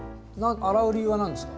洗う理由は何ですか？